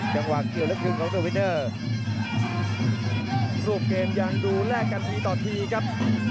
จังหวะคิวและคึงของดูวินเนอร์สู้เกมอย่างดูแลกกันมีต่อทีครับ